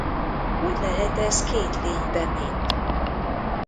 Hogy lehet ez két lénybe’ mind?